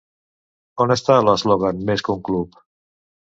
On està l'eslògan Més que un club?